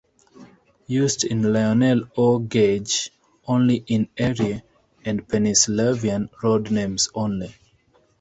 Used in Lionel O gauge only in Erie and Pennsylvania road names only.